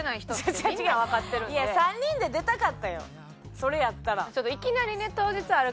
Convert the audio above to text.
それやったら。